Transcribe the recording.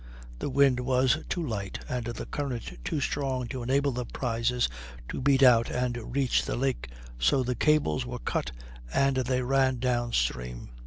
The wind was too light and the current too strong to enable the prizes to beat out and reach the lake, so the cables were cut and they ran down stream.